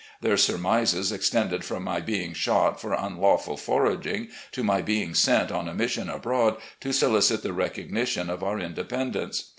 Their surmises extended from my being shot for unlawful foraging to my being sent on a mission abroad to solicit the recognition of our independence.